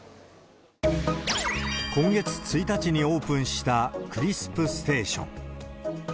今月１日にオープンした、クリスプステーション。